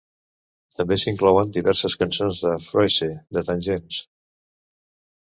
També s'inclouen diverses cançons de Froese de "Tangents".